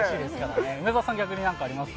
梅澤さん、逆に何かありますか？